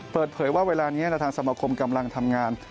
เปิดเผยว่าเวลานี้ทางสมคมกำลังทำงาน